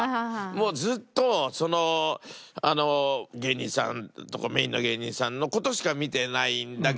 もうずっとその芸人さんメインの芸人さんの事しか見てないんだけど